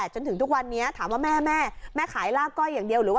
จนถึงทุกวันนี้ถามว่าแม่แม่ขายลาบก้อยอย่างเดียวหรือว่า